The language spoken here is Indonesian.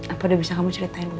apa deh bisa kamu ceritain dulu